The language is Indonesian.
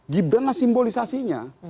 gibran lah simbolisasinya